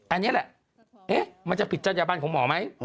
อันนี้แหละมันจะผิดจัญญบันของหมอไหม